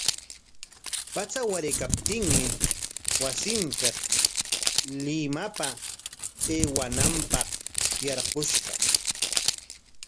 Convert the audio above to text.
Patsa waraykaptinmi wasinpik Limapa aywananpaq yarqushqa.